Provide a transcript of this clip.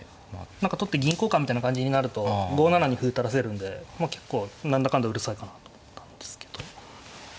取って銀交換みたいな感じになると５七に歩垂らせるんで結構何だかんだうるさいかなと思ったんですけど。